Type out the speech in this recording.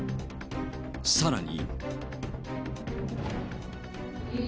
さらに。